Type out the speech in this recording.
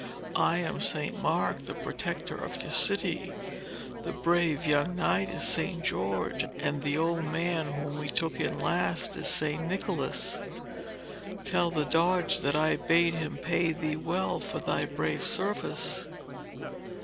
I am St. Mark, the protector of your city; the brave young knight is St. George, and the old man whom we took in last is St. Nicholas. Tell the Doge that I bade him pay thee well for thy brave service.'